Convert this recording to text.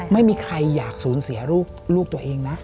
ไม่มีใครอยากสูญเสียลูกตัวเองนะ